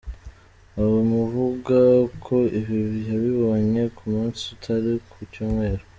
Avuga ko ibi yabibonye ku munsi utari ku Cyumweru.